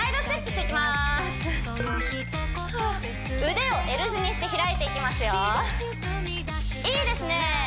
腕をＬ字にして開いていきますよいいですね